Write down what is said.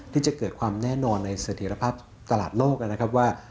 ที่จะเกิดความแน่นอนในเสถียรภาพตลาดโลกนะครับว่า